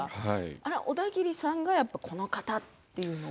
あれ、オダギリさんがやっぱ、この方っていうのを。